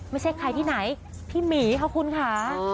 ไม่ใช่ใครที่ไหนพี่หมีค่ะคุณค่ะ